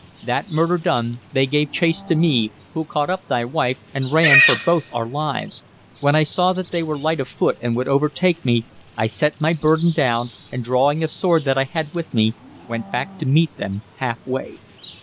That murder done they gave chase to me, who caught up thy wife and ran for both our lives. When I saw that they were light of foot and would overtake me, I set my burden down, and, drawing a sword that I had with me, went back to meet them halfway.